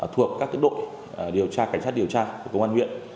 thuộc các đội điều tra cảnh sát điều tra của quân huyện